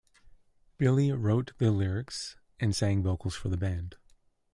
Billy wrote the lyrics, and sang vocals for the band.